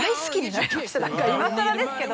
何か今さらですけど。